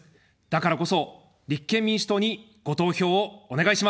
だからこそ立憲民主党にご投票をお願いします。